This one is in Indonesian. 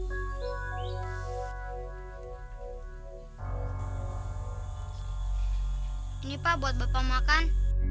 ini pak buat bapak makan